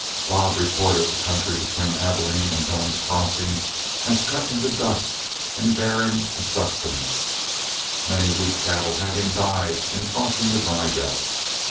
Bob reported the country between Abilene and Doan's Crossing as cut into dust and barren of sustenance, many weak cattle having died in crossing the dry belt.